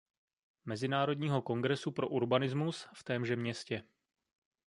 Mezinárodního kongresu pro urbanismus v témže městě.